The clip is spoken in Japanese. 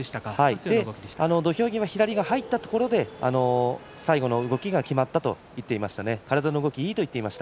土俵際、左が入ったところで最後の動きが決まったと言っていました。